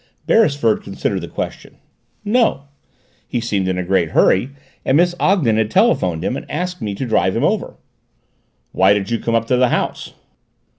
Beresford considered the question. "No. He seemed in a great hurry, said Miss Ogden had telephoned him, and asked me to drive him over." "Why did you come up to the house?"